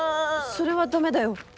それは駄目だよ。